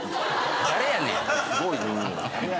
誰やねん！